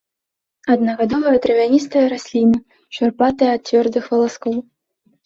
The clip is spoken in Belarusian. Аднагадовая травяністая расліна, шурпатая ад цвёрдых валаскоў.